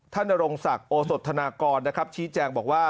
ท่านอรงศักรณ์โอสนทนากรชี้แจงบอกว่า